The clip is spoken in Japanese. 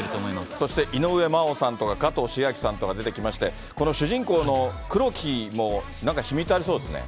そして井上真央さんとか加藤シゲアキさんとか、出てきまして、この主人公の黒木もなんか秘密ありそうですね。